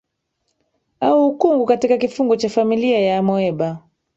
au ukungu katika kifungu cha familia ya amoeba